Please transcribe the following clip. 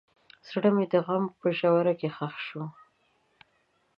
زړه مې د غم په ژوره کې ښخ شو.